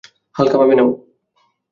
হাল্কা ভাবে নেও।